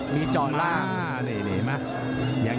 มีจอดล่าง